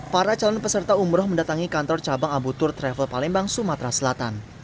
para calon peserta umroh mendatangi kantor cabang ambutur travel palembang sumatera selatan